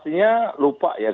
saya sudah berusaha